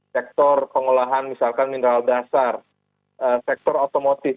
sektor pengolahan misalkan mineral dasar sektor otomotif